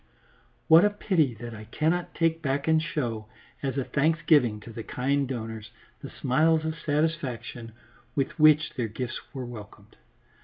What a pity that I cannot take back and show, as a thanksgiving to the kind donors, the smiles of satisfaction with which their gifts were welcomed.